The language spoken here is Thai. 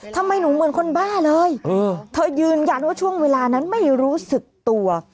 ทำไมหนูเหมือนคนบ้าเลยเธอยืนยันว่าช่วงเวลานั้นไม่รู้สึกตัว